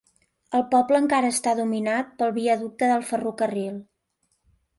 El poble encara està dominat pel viaducte del ferrocarril.